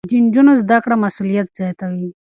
د نجونو زده کړه مسؤليت زياتوي.